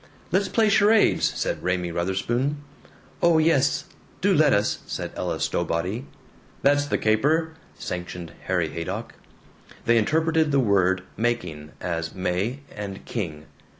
"Let's play charades!" said Raymie Wutherspoon. "Oh yes, do let us," said Ella Stowbody. "That's the caper," sanctioned Harry Haydock. They interpreted the word "making" as May and King.